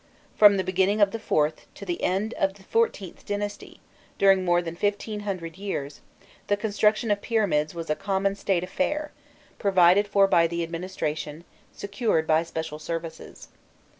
From the beginning of the IVth to the end of the XIVth dynasty during more than fifteen hundred years the construction of pyramids was a common State affair, provided for by the administration, secured by special services.